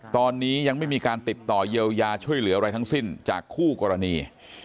ตอนนี้ยังไม่มีการติดต่อเยียวยาช่วยเหลืออะไรทั้งสิ้นจากคู่กรณี